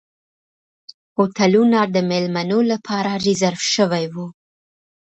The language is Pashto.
هوټلونه د میلمنو لپاره ریزرف شوي وو.